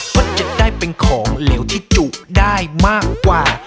มันจึงได้เป็นของเหลวที่จุได้มากกว่า